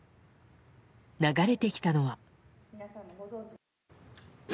流れてきたのは。